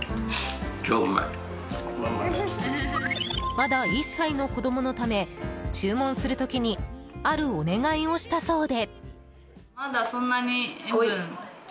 まだ１歳の子供のため注文する時にあるお願いをしたそうで。